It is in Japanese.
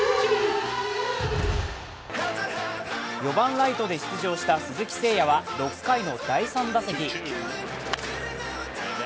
４番・ライトで出場した鈴木誠也は６回の第３打席。